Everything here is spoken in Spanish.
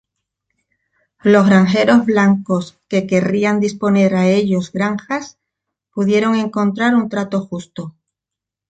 Los granjeros blancos que querrían disponer a ellos granjas pudieron encontrar un trato justo.